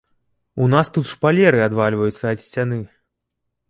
У нас тут шпалеры адвальваюцца ад сцяны.